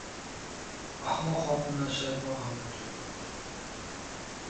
• Ahmoq xotindan shayton ham qochadi.